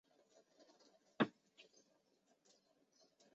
属知识产权署已注册的五家版权特许机构之一。